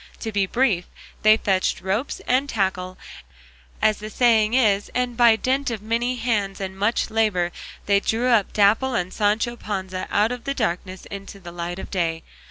To be brief, they fetched ropes and tackle, as the saying is, and by dint of many hands and much labour they drew up Dapple and Sancho Panza out of the darkness into the light of day.